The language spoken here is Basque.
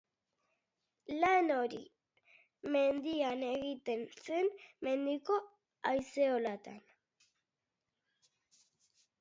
Lan hori mendian egiten zen, mendiko haizeolatan.